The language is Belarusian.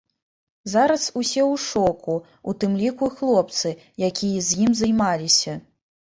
Зараз усе ў шоку, у тым ліку і хлопцы, якія з ім займаліся.